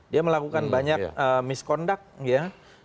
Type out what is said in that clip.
dia melakukan banyak misconduct ya